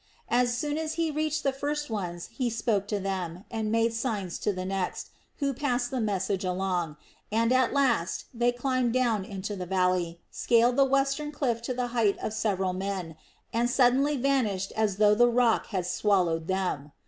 As soon as he reached the first ones he spoke to them, and made signs to the next, who passed the message on, and at last they all climbed down into the valley, scaled the western cliff to the height of several men, and suddenly vanished as though the rock had swallowed them.